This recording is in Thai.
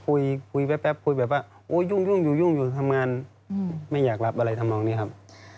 หรือแบบโอ๊ยยุ่งทำงานไม่อยากรับอะไรทำร้องนี้ครับ